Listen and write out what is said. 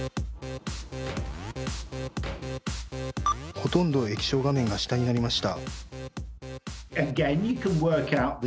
ほとんど液晶画面が下になりました。